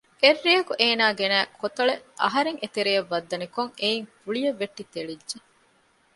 އެއްރެއަކު އޭނާ ގެނައި ކޮތަޅެއް އަހަރެން އެތެރެއަށް ވައްދަނިކޮށް އެއިން ފުޅިއެއް ވެއްޓި ތެޅިއްޖެ